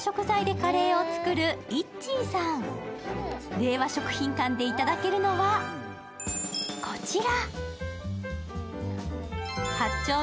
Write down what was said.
令和食品館でいただけるのは、こちら。